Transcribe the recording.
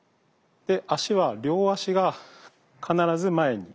で足は両足が必ず前に。